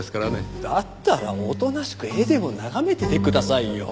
だったらおとなしく絵でも眺めててくださいよ。